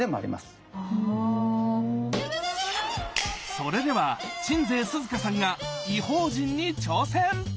それでは鎮西寿々歌さんが「異邦人」に挑戦！